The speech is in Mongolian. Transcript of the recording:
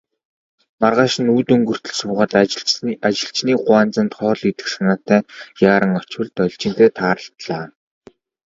Маргааш нь үд өнгөртөл суугаад, ажилчны гуанзанд хоол идэх санаатай яаран очвол Должинтой тааралдлаа.